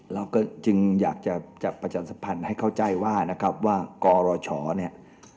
เราก็จึงอยากจะจัดประชาสัมพันธ์ให้เข้าใจว่านะครับว่ากรชเนี่ย